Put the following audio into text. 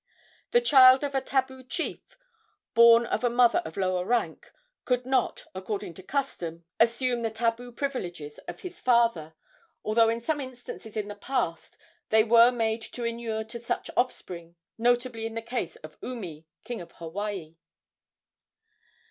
The child of a tabu chief, born of a mother of lower rank, could not, according to custom, assume the tabu privileges of his father, although in some instances in the past they were made to inure to such offspring, notably in the case of Umi, King of Hawaii.